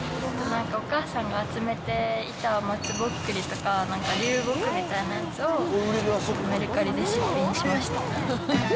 なんかお母さんが集めていたまつぼっくりとか、なんか流木みたいなやつを、メルカリで出品しました。